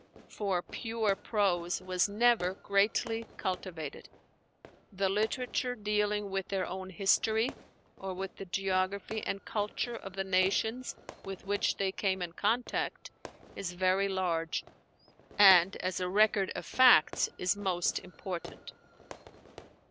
For pure prose was never greatly cultivated. The literature dealing with their own history, or with the geography and culture of the nations with which they came in contact, is very large, and as a record of facts is most important.